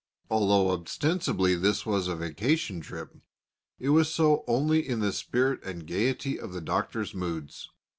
Although ostensibly this was a vacation trip, it was so only in the spirit and gaiety of the Doctor's moods.